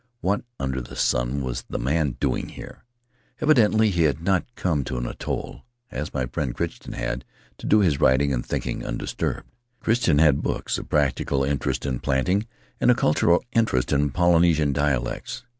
What under the sun was the man doing here? Evidently he had not come to an atoll, as my friend Crichton had, to do his writing and thinking undisturbed. Crichton had books, a practical interest in planting, and a cultural interest in Polynesian dialects.